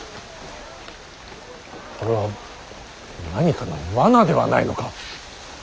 これは何かの罠ではないのか。